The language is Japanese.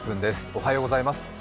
おはようございます。